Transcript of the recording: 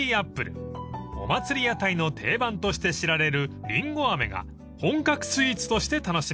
［お祭り屋台の定番として知られるりんご飴が本格スイーツとして楽しめます］